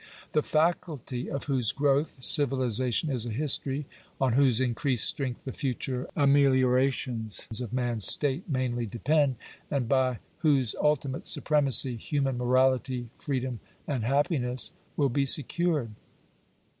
The faculty of whose growth civilization is a history — on whose increased strength the future ameliorations of man's state mainly depend — and by whose ultimate supremacy, human morality, freedom, and happiness will be secured.